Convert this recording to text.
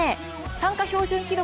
参加標準記録